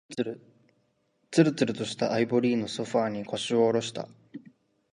つるつるとしたアイボリーのソファーに、腰を下ろした。